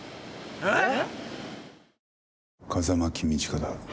えっ？